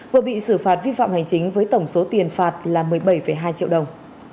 vừa bị xử phạt vi phạm hành chính với tổng số tiền phạt là một mươi bảy hai triệu đồng